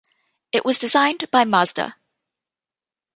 It was designed by Mazda.